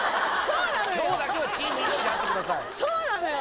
そうなのよ！